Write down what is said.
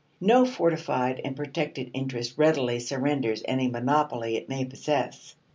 No fortified and protected interest readily surrenders any monopoly it may possess.